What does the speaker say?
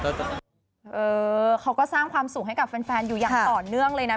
เขาก็สร้างความสุขให้กับแฟนอยู่อย่างต่อเนื่องเลยนะ